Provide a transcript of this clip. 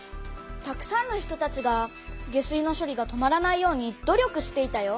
たくさんの人たちが下水のしょりが止まらないように努力していたよ。